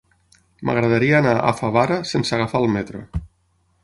M'agradaria anar a Favara sense agafar el metro.